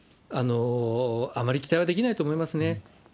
あまり期待はできないと思いますね。